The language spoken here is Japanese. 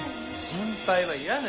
心配はいらぬ。